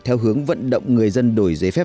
theo hướng vận động người dân đổi giấy phép